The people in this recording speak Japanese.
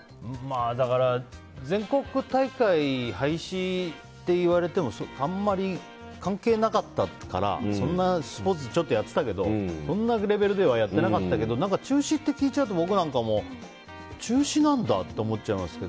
だから全国大会廃止って言われてもあんまり関係なかったからスポーツちょっとやっていたけどそんなレベルではやってなかったけど中止って聞いちゃうと僕なんかも中止なんだと思っちゃいますが。